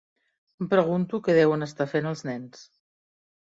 Em pregunto què deuen estar fent els nens.